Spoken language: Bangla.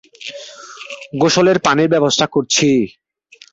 গোসলের পানির ব্যবস্থা করছি।